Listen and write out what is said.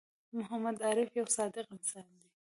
محمد عارف یوه صادق انسان دی